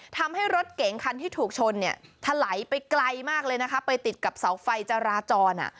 ทำให้รถเก๋งคันที่ถูกชนเนี่ยถลายไปไกลมากเลยนะคะไปติดกับเสาไฟจราจรอ่ะ